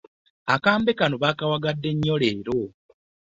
Akambe kano bakawagadde nnyo leero.